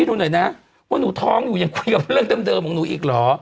ดูหน่อยนะว่าหนูท้องอยู่ยังคุยกับเรื่องเดิมของหนูอีกเหรอ